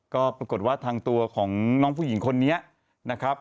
ก็ปรากฏว่าทางตัวของน้องผู้หญิงคนนี้นะครับ